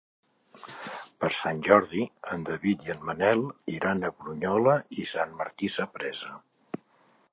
Per Sant Jordi en David i en Manel iran a Brunyola i Sant Martí Sapresa.